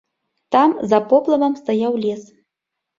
Там за поплавам стаяў лес.